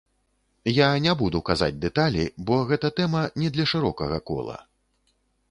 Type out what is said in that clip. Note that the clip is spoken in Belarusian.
Я не буду казаць дэталі, бо гэта тэма не для шырокага кола.